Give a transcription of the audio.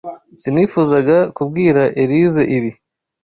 Sinifuzaga kubwira Elyse ibi.